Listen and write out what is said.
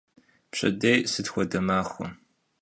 Pşedêy sıt xuede maxue?